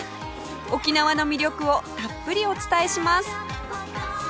沖縄の魅力をたっぷりお伝えします